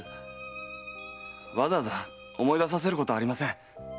わざわざ思い出させることありません。